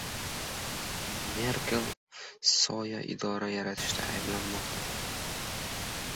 Merkel “soya idora” yaratishda ayblanmoqda